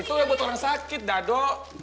itu ya buat orang sakit dado